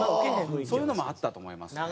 そういうのもあったと思いますね。